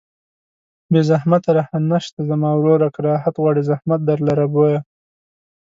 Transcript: بې زحمته راحت نشته زما وروره که راحت غواړې زحمت در لره بویه